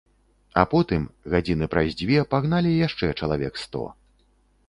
А потым, гадзіны праз дзве, пагналі яшчэ чалавек сто.